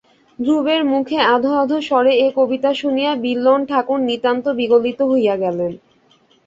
ধ্রুবের মুখে আধো-আধো স্বরে এ কবিতা শুনিয়া বিল্বন ঠাকুর নিতান্ত বিগলিত হইয়া গেলেন।